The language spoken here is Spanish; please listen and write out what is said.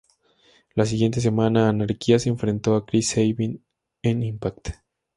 La siguiente semana, Anarquía se enfrentó a Chris Sabin en "Impact!